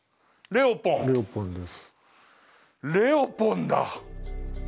レオポンだ。